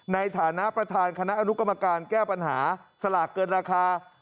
ในฐานะประธานคณะอนุกรรมการแก้ปัญหาสลากเกินราคา